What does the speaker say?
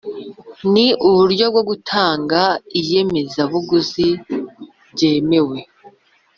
Ni uburyo bwo gutanga inyemezabuguzi bwemewe